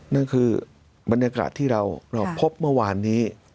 นั่นคือบรรยากาศที่เราพบเมื่อวานนี้